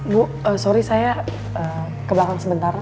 bu sorry saya ke belakang sebentar